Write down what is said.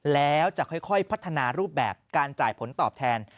แล้วจะค่อยพัฒนารูปแบบการจ่ายผลตอบแทน